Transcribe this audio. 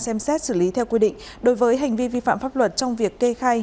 xem xét xử lý theo quy định đối với hành vi vi phạm pháp luật trong việc kê khai